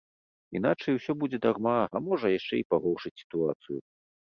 Іначай усё будзе дарма, а можа, яшчэ і пагоршыць сітуацыю.